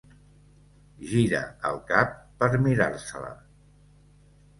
Gira el cap per mirar-se-la.